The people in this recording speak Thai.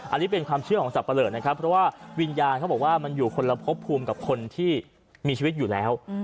อันนี้เป็นความเชื่อของสับปะเลอนะครับเพราะว่าวิญญาณเขาบอกว่ามันอยู่คนละพบภูมิกับคนที่มีชีวิตอยู่แล้ว